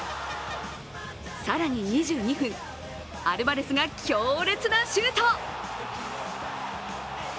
更に２２分、アルバレスが強烈なシュート。